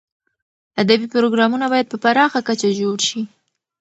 ادبي پروګرامونه باید په پراخه کچه جوړ شي.